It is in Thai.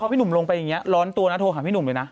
พี่หนุ่มลงไปอย่างนี้ร้อนตัวนะโทรหาพี่หนุ่มเลยนะ